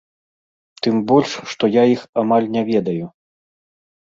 Тым больш, што я іх амаль не ведаю.